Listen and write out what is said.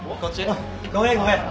あっごめんごめん。